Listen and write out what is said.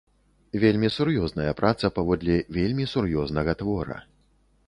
Вельмі сур'ёзная праца паводле вельмі сур'ёзнага твора.